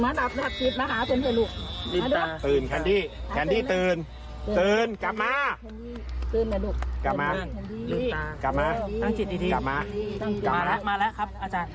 มาแล้วครับอาจารย์